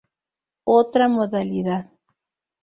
Otra modalidad.